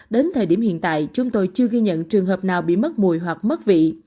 đến thời điểm hiện tại chúng tôi chưa ghi nhận trường hợp nào bị mất mùi hoặc mất vị